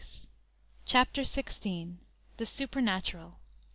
_ CHAPTER XVI. THE SUPERNATURAL.